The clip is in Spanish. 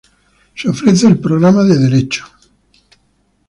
Se ofrece el programa de Derecho.